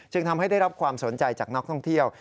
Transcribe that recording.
ทำให้ได้รับความสนใจจากนักท่องเที่ยว